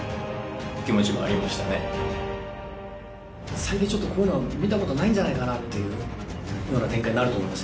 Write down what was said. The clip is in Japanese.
最近ちょっとこういうのは見たことないんじゃないかなっていうような展開になると思います。